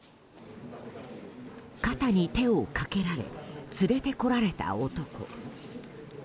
肩に手をかけられ連れてこられた男。